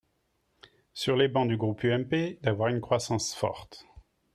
sur les bancs du groupe UMP, d’avoir une croissance forte.